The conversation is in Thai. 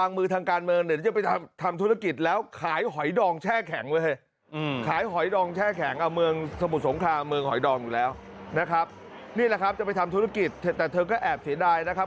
นี่แหละครับจะไปทำธุรกิจแต่เธอก็แอบเสียดายนะครับ